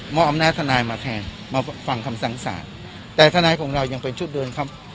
อำนาจทนายมาแทนมาฟังคำสั่งสารแต่ทนายของเรายังเป็นชุดเดิมครับ